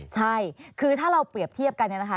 ใช่คือถ้าเราเปรียบเทียบกันเนี่ยนะคะ